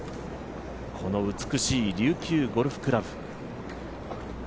この美しい琉球ゴルフ倶楽部。